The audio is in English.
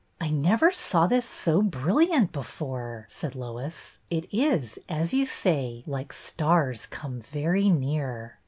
" I never saw this so brilliant before,'' said Lois. " It is, as you say, like stars come very near."